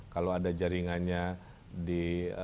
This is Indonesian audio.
kalau ada jaringannya di